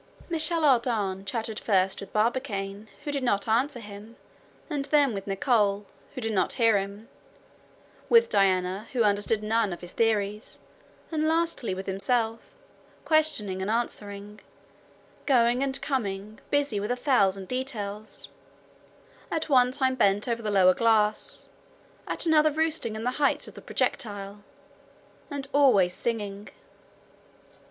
Michel Ardan chatted first with Barbicane, who did not answer him, and then with Nicholl, who did not hear him, with Diana, who understood none of his theories, and lastly with himself, questioning and answering, going and coming, busy with a thousand details; at one time bent over the lower glass, at another roosting in the heights of the projectile, and always singing.